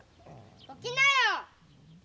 起きなよ！